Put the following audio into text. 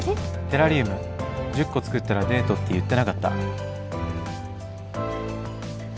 テラリウム１０個作ったらデートって言ってなかった？